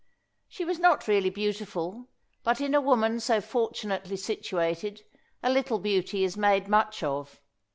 She was not really beautiful, but in a woman so fortunately situated a little beauty is made much of.